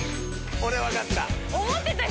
俺、分かったよ。